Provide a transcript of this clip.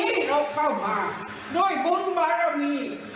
พ่อของฉันคุณศักดิ์